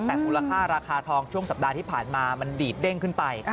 แต่มูลค่าราคาทองช่วงสัปดาห์ที่ผ่านมามันดีดเด้งขึ้นไป